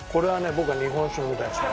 僕は日本酒、飲みたいですね。